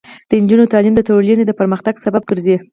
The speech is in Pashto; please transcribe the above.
د نجونو تعلیم د ټولنې پرمختګ سبب ګرځي.